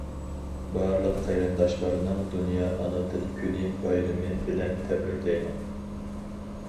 بارلىق قېرىنداشلارنىڭ دۇنيا ئانا تىل كۈنى بايرىمى بىلەن تەبرىكلەيمەن!